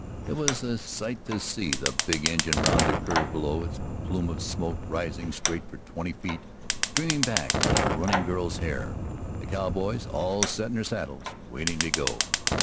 It was a sight to see the big engine round the curve below, its plume of smoke rising straight for twenty feet, streaming back like a running girl's hair, the cowboys all set in their saddles, waiting to go.